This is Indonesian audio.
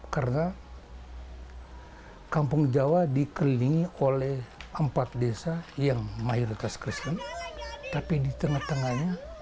karena kampung jawa dikelilingi oleh empat desa yang mayoritas kristen tapi di tengah tengahnya